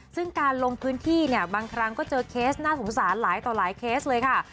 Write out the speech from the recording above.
ซึ่งการลงพื้นที่เนี่ยบางครั้งก็เจอเคสน่าสงสารหลายต่อหลายเคสเลยค่ะ